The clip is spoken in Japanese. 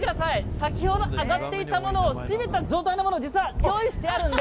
先ほど揚がっていたものを、締めた状態のもの、実は用意してあるんで。